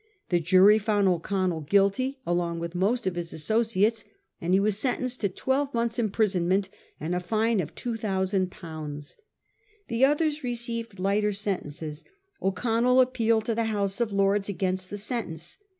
The jury found O'Connell guilty along with most of his associates, and he was sentenced to twelve months' imprisonment and a fine of 2,000 1 . The others received lighter sentences. O'Connell appealed to the House of Lords against the sentence.